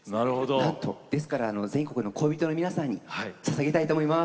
ですから全国の恋人の皆さんにささげたいと思います。